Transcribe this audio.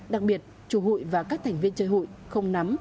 đặc biệt chủ hụi và các thành viên chơi hụi không nắm